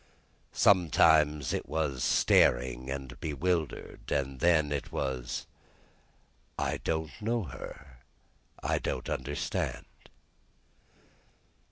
Sometimes it was staring and bewildered, and then it was, "I don't know her. I don't understand."